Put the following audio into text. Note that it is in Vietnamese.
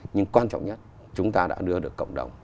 nhưng quan trọng nhất chúng ta đã đưa được cộng đồng